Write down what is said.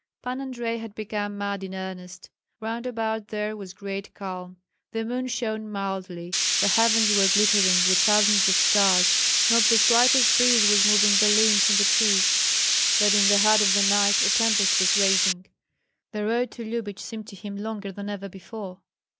Pan Andrei had become mad in earnest. Round about there was great calm. The moon shone mildly, the heavens were glittering with thousands of stars, not the slightest breeze was moving the limbs on the trees; but in the heart of the knight a tempest was raging. The road to Lyubich seemed to him longer than ever before.